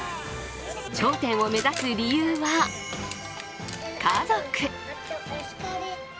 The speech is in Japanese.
頂点を目指す理由は、家族。